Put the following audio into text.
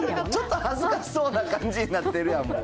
ちょっと恥ずかしそうな感じになってるやん。